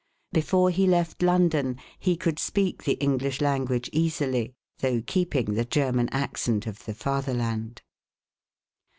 Before he left Lon don he could speak the English language easily, though keeping the German accent of the Fatherland.